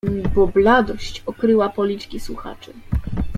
"Bo bladość okryła policzki słuchaczy."